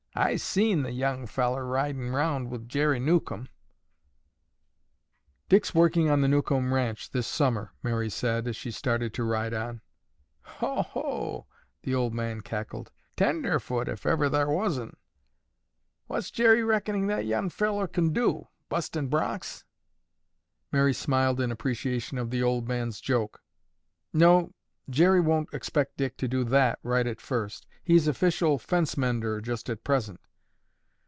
"I seen the young fellar ridin' around wi' Jerry Newcomb." "Dick's working on the Newcomb ranch this summer," Mary said, as she started to ride on. "Ho! Ho!" the old man cackled. "Tenderfoot if ever thar was un. What's Jerry reckonin' that young fellar kin do? Bustin' broncs?" Mary smiled in appreciation of the old man's joke. "No, Jerry won't expect Dick to do that right at first. He's official fence mender just at present."